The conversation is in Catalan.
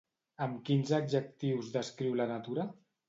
Amb quins adjectius descriu la natura?